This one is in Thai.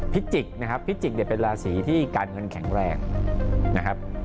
จิกนะครับพิจิกเนี่ยเป็นราศีที่การเงินแข็งแรงนะครับ